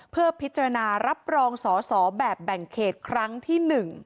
เพื่อพิจารณารับรองสอสอแบบแบ่งเขตครั้งที่๑